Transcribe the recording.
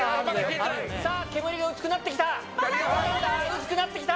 さぁ煙が薄くなってきた薄くなってきた。